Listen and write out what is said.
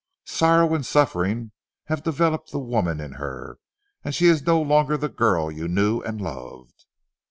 Sorrow and suffering have developed the woman in her, and she is no longer the girl you knew and loved."